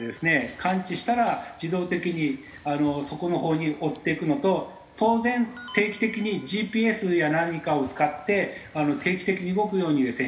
感知したら自動的にそこのほうに追っていくのと当然定期的にＧＰＳや何かを使って定期的に動くようにですね